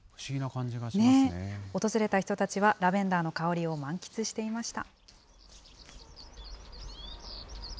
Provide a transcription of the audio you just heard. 訪れた人たちは、ラベンダーの香りを満喫していました。